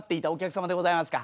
さようでございますか。